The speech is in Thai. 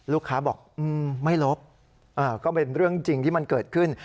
ลูกค้าบอกไม่ลบก็เป็นเรื่องจริงที่มันเกิดขึ้น